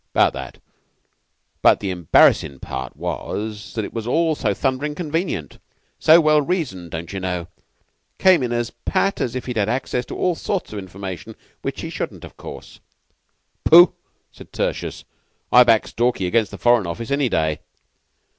"About that; but the embarrassin' part was that it was all so thunderin' convenient, so well reasoned, don't you know? Came in as pat as if he'd had access to all sorts of information which he couldn't, of course." "Pooh!" said Tertius, "I back Stalky against the Foreign Office any day."